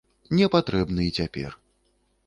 Не патрэбны і цяпер.